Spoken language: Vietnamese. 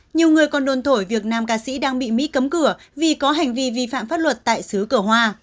nhiều người còn đồn thổi việc nam ca sĩ đang bị mỹ cấm cửa vì có hành vi vi phạm pháp luật tại xứ cửa hoa